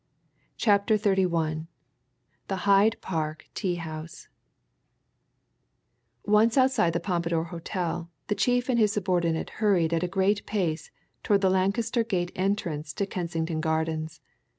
CHAPTER XXXI THE HYDE PARK TEA HOUSE Once outside the Pompadour Hotel the chief and his subordinate hurried at a great pace towards the Lancaster Gate entrance to Kensington Gardens.